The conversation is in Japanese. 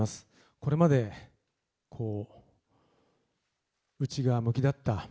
これまで内向きだった